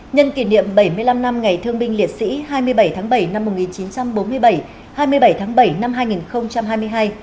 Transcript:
nhân kỷ niệm bảy mươi năm năm ngày thương binh liệt sĩ hai mươi bảy tháng bảy năm một nghìn chín trăm bốn mươi bảy hai mươi bảy tháng bảy năm hai nghìn hai mươi hai